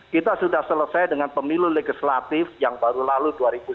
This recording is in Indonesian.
kita sudah selesai dengan pemilu legislatif yang baru lalu dua ribu dua puluh